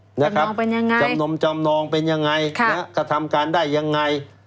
จำนมจำนองเป็นยังไงกระทำการได้ยังไง